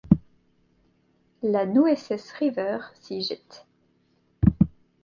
La Nueces River s'y jette.